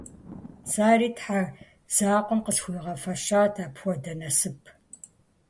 Сэри Тхьэ закъуэм къысхуигъэфэщат апхуэдэ насып.